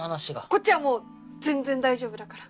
こっちはもう全然大丈夫だから。